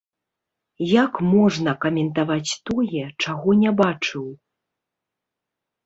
Як можна каментаваць тое, чаго не бачыў?